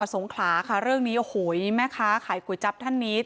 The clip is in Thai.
สงขลาค่ะเรื่องนี้โอ้โหแม่ค้าขายก๋วยจั๊บท่านนี้